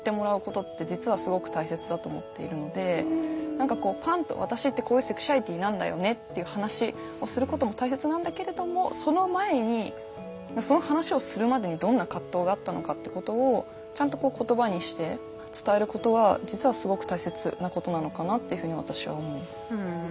何かこうパンと私ってこういうセクシュアリティーなんだよねっていう話をすることも大切なんだけれどもその前にその話をするまでにどんな葛藤があったのかってことをちゃんとこう言葉にして伝えることは実はすごく大切なことなのかなっていうふうに私は思う。